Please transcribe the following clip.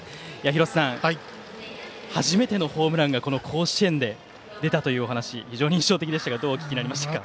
廣瀬さん、初めてのホームランがこの甲子園で出たというお話非常に印象的でしたがどうでしたか？